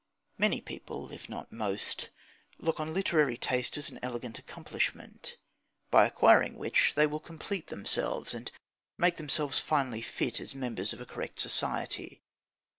Many people, if not most, look on literary taste as an elegant accomplishment, by acquiring which they will complete themselves, and make themselves finally fit as members of a correct society.